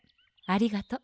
ありがとう。